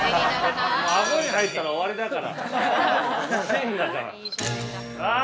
◆あごに入ったら終わりだから。